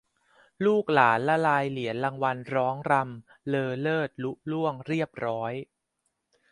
ลูกหลานละลายเหรียญรางวัลร้องรำเลอเลิศลุล่วงเรียบร้อย